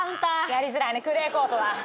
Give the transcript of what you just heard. やりづらいねクレーコートだ。